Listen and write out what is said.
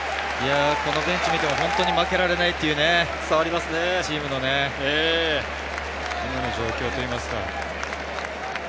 このベンチを見ても負けられないというのが伝わりますよね、チームのね、今の状況といいますか。